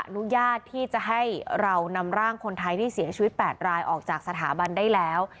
อนุญาตที่จะให้เรานำร่างคนไทยที่เสียชีวิต๘รายออกจากสถาบันได้แล้ว